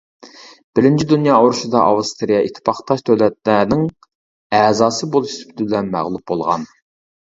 بىرىنچى دۇنيا ئۇرۇشىدا ئاۋسترىيە ئىتتىپاقداش دۆلەتلەرنىڭ ئەزاسى بولۇش سۈپىتى بىلەن مەغلۇپ بولغان.